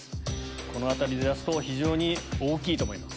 このあたりで出すと非常に大きいと思います。